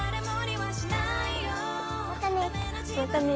またねー。